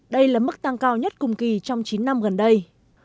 đây là mức tăng cao nhất cùng kỳ trong chín năm gần đây